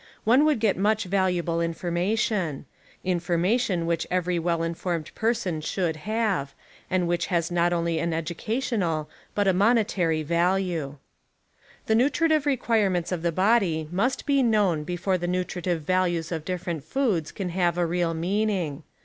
one would get much valuable information — information which every well informed person should have, and which has not only an educational but also a monetary value. The nutritive requirements of the body must be known before the nutritive values of different foods can have a real meaning.